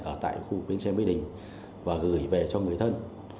ở tại khu bến xe mỹ đình và gửi về cho người thân